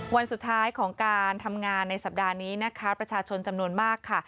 วันสุดท้ายของการทำงานในสัปดาห์นี้นะคะประชาชนจำนวนมากค่ะ